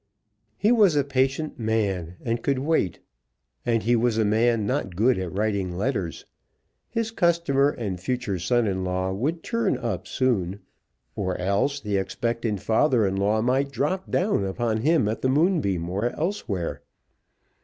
He was a patient man, and could wait. And he was a man not good at writing letters. His customer and future son in law would turn up soon; or else, the expectant father in law might drop down upon him at the Moonbeam or elsewhere.